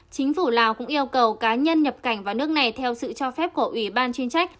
chính phủ lào cũng yêu cầu cá nhân nhập cảnh vào nước này theo sự cho phép của ủy ban chuyên trách